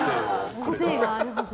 個性があるはず。